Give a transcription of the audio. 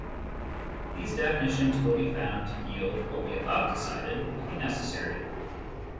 These definitions will be found to yield what we above decided to be necessary.